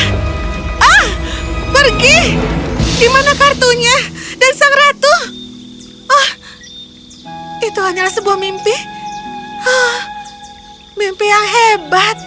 ah pergi gimana kartunya dan sang ratu ah itu hanya sebuah mimpi ha mimpi yang hebat aku harus